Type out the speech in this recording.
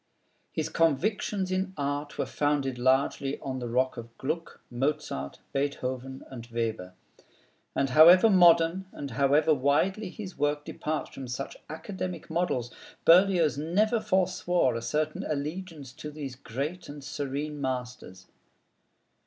His convictions in art were founded largely on the rock of Gluck, Mozart, Beethoven, and Weber; and however modern, and however widely his work departs from such academic models, Berlioz never forswore a certain allegiance to these great and serene masters.